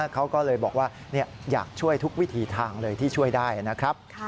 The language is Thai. เขาก็เลยบอกว่าอยากช่วยทุกวิถีทางเลยที่ช่วยได้นะครับ